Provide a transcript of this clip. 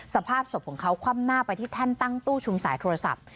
สภาพศพของเขาคว่ำหน้าไปที่แท่นตั้งตู้ชุมสายโทรศัพท์